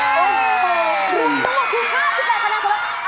รวมทั้งหมดถึง๕๘คะแนนครับ